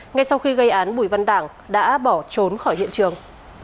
ngay sau khi gây án bùi văn đảng đã bỏ trốn khỏi hiện trường